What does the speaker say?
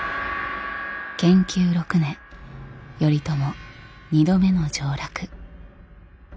建久６年頼朝２度目の上洛。